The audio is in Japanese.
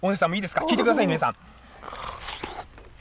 聞いてください、皆さん。